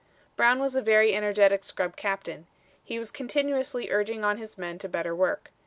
Brown was a very energetic scrub captain. He was continuously urging on his men to better work.